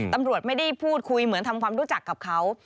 ตำรวจไม่ได้พูดคุยเหมือนทำความรู้จักกับเขา